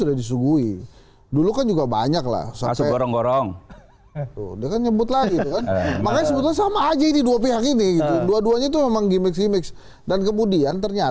hanya dengan gimmicknya